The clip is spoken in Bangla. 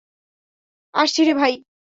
আসছি রে ভাই।